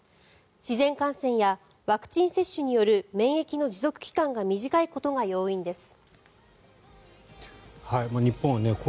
自然感染やワクチン接種による免疫の持続期間が短いことが要因です。